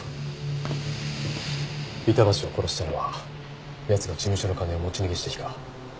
板橋を殺したのは奴が事務所の金を持ち逃げした日か？